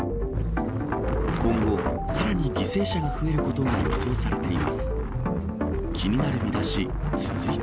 今後、さらに犠牲者が増えることが予想されています。